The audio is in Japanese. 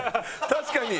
確かに。